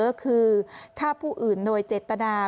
ก็คือฆ่าผู้อื่นโดยเจตนา